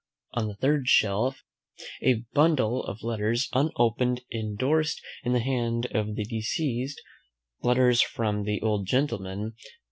On the third shelf A bundle of letters unopened, indorsed, in the hand of the deceased, "Letters from the old Gentleman."